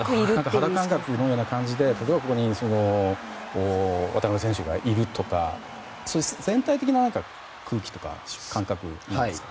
肌感覚のような感じで例えばここに渡邊選手がいるとか全体的な空気とか感覚なんですか？